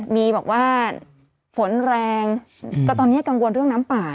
มีบอกว่าฝนแรงก็ตอนนี้กังวลเรื่องน้ำป่า